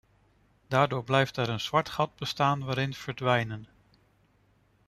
Daardoor blijft er een zwart gat bestaan waarin verdwijnen.